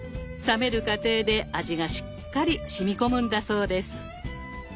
冷める過程で味がしっかりしみこむんだそうです。